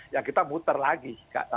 ya kita muter lagi